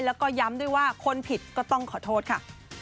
แล้วก็ย้ำด้วยว่าคนผิดก็ต้องขอโทษค่ะ